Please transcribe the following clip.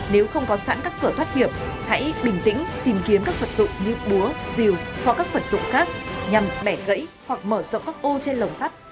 nếu không có sẵn các cửa thoát hiểm hãy bình tĩnh tìm kiếm các vật dụng như búa rìu hoặc các vật dụng khác nhằm bẻ gãy hoặc mở rộng các ô trên lồng sắt